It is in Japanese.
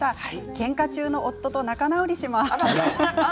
けんか中の夫と仲直りします。